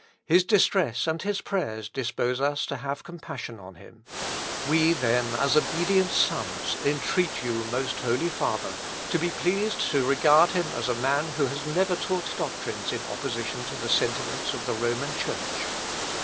His distress and his prayers dispose us to have compassion on him. We, then, as obedient sons, entreat you, most Holy Father, to be pleased to regard him as a man who has never taught doctrines in opposition to the sentiments of the Roman Church."